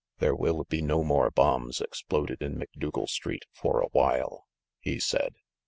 "There will be no more bombs exploded in Macdougal Street for a while," he said.